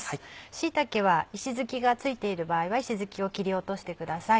椎茸は石づきが付いている場合は石づきを切り落としてください。